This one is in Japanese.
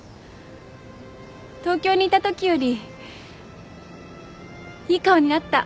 東京にいたときよりいい顔になった。